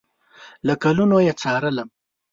له کلونو یې څارلم